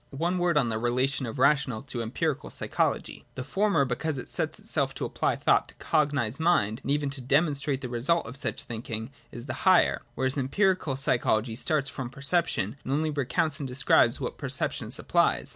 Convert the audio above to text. One word on the relation of rational to empirical psycho logy. The former, because it sets itself to apply thought to cognise mind and even to demonstrate the result of such thinking, is the higher ; whereas empirical psychology starts from perception, and only recounts and describes what perception supplies.